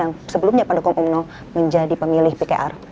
yang sebelumnya pendukung umno menjadi pemilih pkr